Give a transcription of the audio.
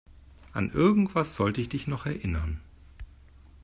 An irgendwas sollte ich dich noch erinnern.